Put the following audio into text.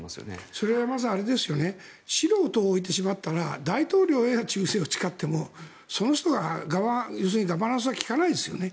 それはまず素人を置いてしまったら大統領へ忠誠を誓ってもその人はガバナンスは利かないですよね。